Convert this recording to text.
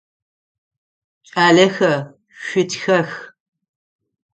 Кӏалэхэ, шъутхэх!